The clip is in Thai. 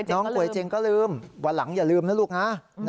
น้องกวยเจ๋งก็ลืมวันหลังอย่าลืมนะลูกนะ